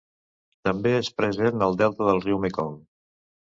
També és present al delta del riu Mekong.